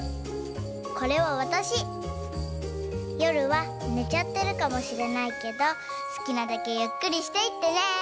これはわたし。よるはねちゃってるかもしれないけどすきなだけゆっくりしていってね！